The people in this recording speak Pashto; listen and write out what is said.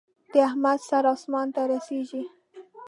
د احمد سر اسمان ته رسېږي.